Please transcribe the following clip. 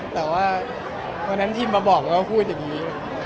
แต่ว่าวันนั้นทีมมาบอกแล้วก็พูดอย่างนี้